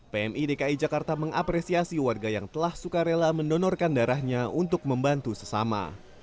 pmi dki jakarta mengapresiasi warga yang telah suka rela mendonorkan darahnya untuk membantu sesama